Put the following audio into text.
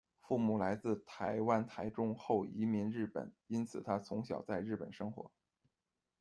父母来自台湾台中，后移民日本，因此他从小在日本生活。